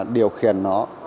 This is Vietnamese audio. điều khiển nó